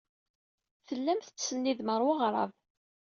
Tellam tettsennidem ɣer weɣrab.